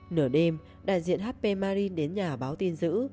nửa đêm đại diện hp marin đến nhà báo tin giữ